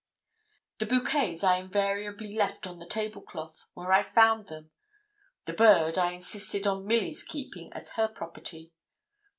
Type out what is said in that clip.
The bouquets I invariably left on the table cloth, where I found them the bird I insisted on Milly's keeping as her property.